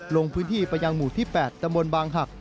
ลงพื้นที่ประยังหมู่ที่๘ตะมนต์บางหัก